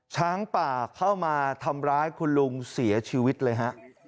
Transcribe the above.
ช้างป่าเข้ามาทำร้ายคุณลุงเสียชีวิตเลยฮะ